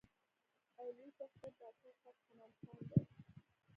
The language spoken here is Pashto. او لوئ شخصيت ډاکټر فتح مند خان دے ۔